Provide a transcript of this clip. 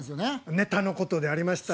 ネタのことでありました。